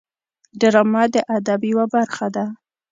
ډرامه د ادب یوه برخه ده